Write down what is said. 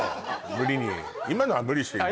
無理に今のは無理してるよ